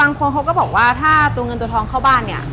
คนเขาก็บอกว่าถ้าตัวเงินตัวทองเข้าบ้านเนี่ย